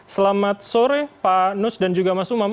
selamat sore pak nus dan juga mas umam